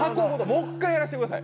もう一回やらせてください。